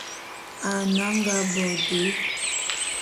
Ane a nga bo de.